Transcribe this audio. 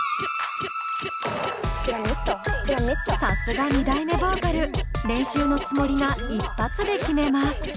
さすが２代目ボーカル練習のつもりが一発で決めます。